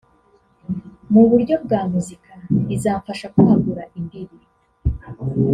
mu buryo bwa muzika izamfasha kwagura imbibi